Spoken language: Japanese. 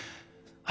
はい！